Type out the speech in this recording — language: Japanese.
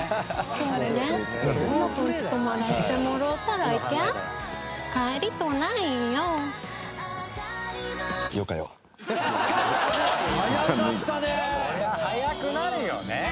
「そりゃ早くなるよね」